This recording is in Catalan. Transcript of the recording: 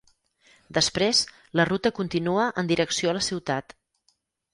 Després, la ruta continua en direcció a la ciutat.